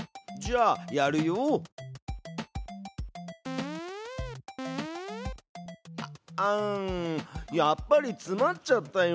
あやっぱりつまっちゃったよ。